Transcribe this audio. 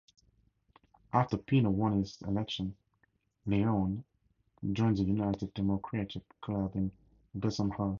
After Pino won his election, Leone joined the United Democratic Club in Bensonhurst.